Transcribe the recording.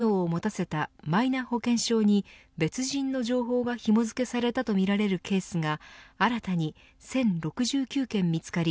中間報告ではマイナンバーカードに健康保険証の機能を持たせたマイナ保険証に別人の情報がひも付けされたとみられるケースが新たに１０６９件見つかり